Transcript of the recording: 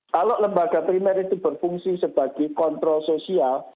kalau lembaga primer itu berfungsi sebagai kontrol sosial